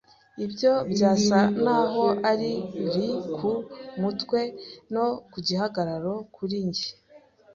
Ibyo byasaga naho ari leu ku mutwe no ku gihagararo kuri njye